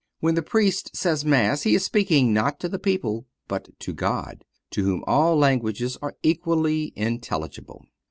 When the Priest says Mass he is speaking not to the people, but to God, to whom all languages are equally intelligible.